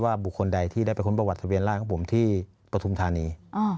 บุคคลใดที่ได้ไปค้นประวัติทะเบียนร่างของผมที่ปฐุมธานี